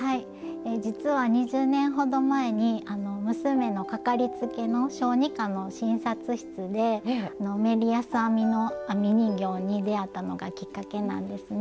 実は２０年ほど前に娘の掛かりつけの小児科の診察室でメリヤス編みの編み人形に出会ったのがきっかけなんですね。